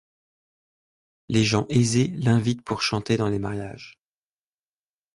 Les gens aisés l'invitent pour chanter dans les mariages.